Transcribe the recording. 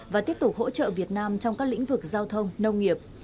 và tiếp tục hỗ trợ việt nam trong các lĩnh vực giao thông nông nghiệp